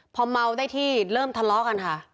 พอเมาได้ที่เริ่มทะเลาะกันค่ะ